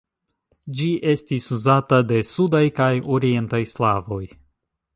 Ĝi estis uzata de sudaj kaj orientaj slavoj.